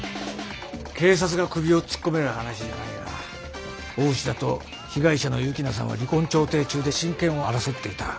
警察が首を突っ込める話じゃないが大内田と被害者の幸那さんは離婚調停中で親権を争っていた。